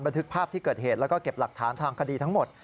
ทึกภาพที่เกิดเหตุแล้วก็เก็บหลักฐานทางคดีทั้งหมด